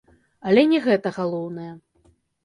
Але не гэта галоўнае.